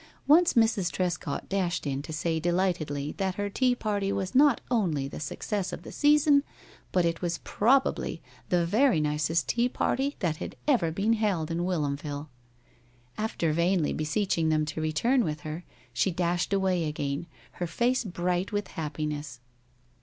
Once Mrs. Trescott dashed in to say delightedly that her tea party was not only the success of the season, but it was probably the very nicest tea party that had ever been held in Whilomville. After vainly beseeching them to return with her, she dashed away again, her face bright with happiness.